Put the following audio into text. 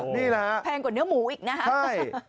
นี่แหละแพงกว่าเนื้อหมูอีกนะฮะ